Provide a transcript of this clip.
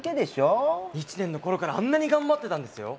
１年の頃からあんなに頑張ってたんですよ！？